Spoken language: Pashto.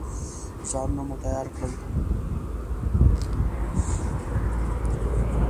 ځانونه مو تیار کړل.